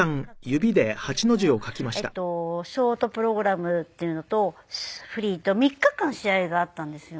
８の字書く規定とショートプログラムっていうのとフリーと３日間試合があったんですよね。